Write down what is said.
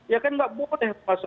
ya kan nggak boleh masuk